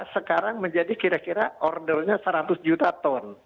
sekarang menjadi kira kira ordernya seratus juta ton